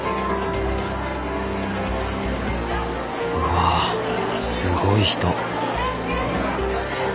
うわすごい人。